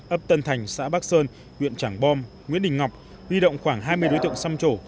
ấp tân thành xã bắc sơn huyện trảng bom nguyễn đình ngọc huy động khoảng hai mươi đối tượng xăm chỗ